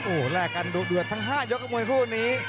โอ้แลกกันดวนทั้ง๕ยกกับมวยผู้นี้